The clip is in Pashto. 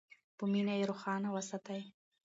په مینه یې روښانه وساتئ.